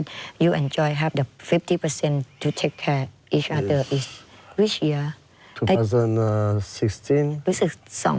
รู้สึก๒๕๕๙